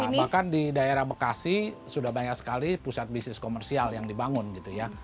nah bahkan di daerah bekasi sudah banyak sekali pusat bisnis komersial yang dibangun gitu ya